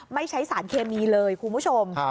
ไม่ใช้สารเคมีเลยคุณผู้ชม